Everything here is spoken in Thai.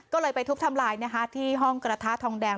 ก็เลยไปทุบทำลายที่ห้องกระทะทองแดง